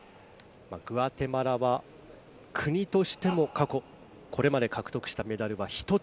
グアテマラは国としても、過去これまで獲得したメダルが１つ。